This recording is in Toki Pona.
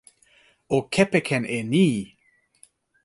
o kepeken e ni!